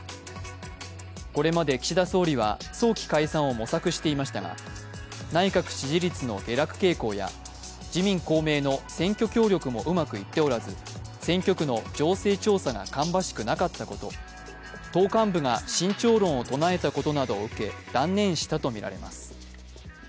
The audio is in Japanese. これまで岸田総理は早期解散を模索していましたが内閣支持率の下落傾向や自民・公明の選挙協力もうまくいっておらず、選挙区の情勢調査が芳しくなかったこと党幹部が慎重論を唱えたことなどを受け、断念したとみられます。